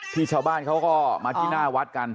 ชาวบ้านเขาก็มาที่หน้าวัดกัน